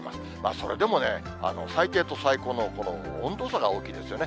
それでもね、最低と最高の温度差が大きいですよね。